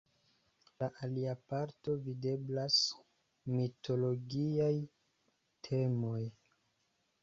Sur la alia parto videblas mitologiaj temoj.